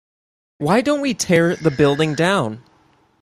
why don't we tear the building down?